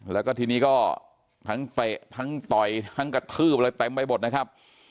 แล้วก็ทีนี้ก็ทั้งต่อยทั้งกระทืบอะไรแปลงไปหมดนะครับ